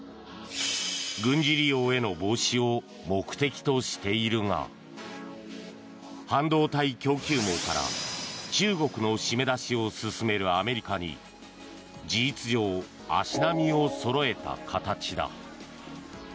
軍事利用への防止を目的としているが半導体供給網から中国の締め出しを進めるアメリカに事実上、足並みをそろえた形だ。